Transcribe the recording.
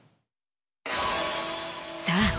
さあ